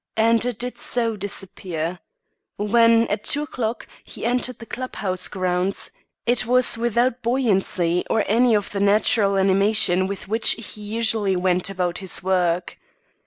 And it did so disappear. When, at two o'clock, he entered the club house grounds, it was without buoyancy or any of the natural animation with which he usually went about his work.